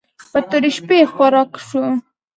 په تورې شپې خوراک شو.